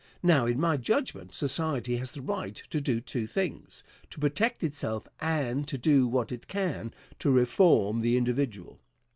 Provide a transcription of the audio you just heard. Now, in my judgment, society has the right to do two things to protect itself and to do what it can to reform the individual.